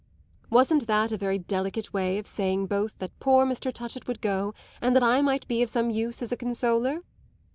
Wasn't that a very delicate way of saying both that poor Mr. Touchett would go and that I might be of some use as a consoler?